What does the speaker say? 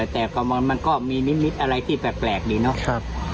แต่มันก็มีนิมิตรอะไรที่แปลกดีเนาะ